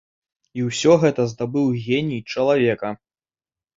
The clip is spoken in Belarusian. І ўсё гэта здабыў геній чалавека.